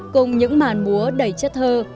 cùng những màn múa đầy chất thơ